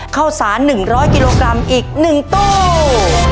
ข้าวสาร๑๐๐กิโลกรัมอีก๑ตู้